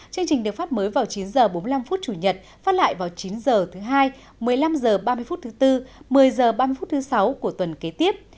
chương trình được phát mới vào chín h bốn mươi năm phút chủ nhật phát lại vào chín h thứ hai một mươi năm h ba mươi phút thứ bốn một mươi h ba mươi phút thứ sáu của tuần kế tiếp